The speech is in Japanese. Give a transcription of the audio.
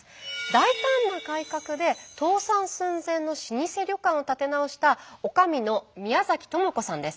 大胆な改革で倒産寸前の老舗旅館を立て直したおかみの宮知子さんです。